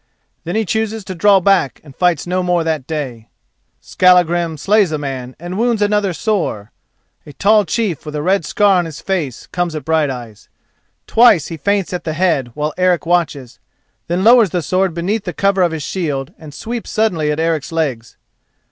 Then he chooses to draw back and fights no more that day. Skallagrim slays a man, and wounds another sore. A tall chief with a red scar on his face comes at Brighteyes. Twice he feints at the head while Eric watches, then lowers the sword beneath the cover of his shield, and sweeps suddenly at Eric's legs.